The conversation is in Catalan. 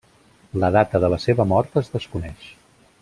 La data de la seva mort es desconeix.